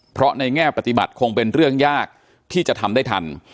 เพราะในแง่ปฏิบัติคงเป็นเรื่องยากที่จะทำได้ทัน